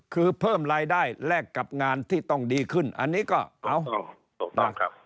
คือเพิ่มรายได้แลกกับงานที่ต้องดีขึ้นอันนี้ก็เอาถูกต้องครับ